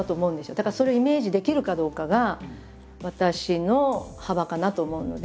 だからそれをイメージできるかどうかが私の幅かなと思うので。